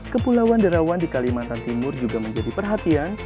kepulauan derawan di kalimantan timur juga menjadi perhatian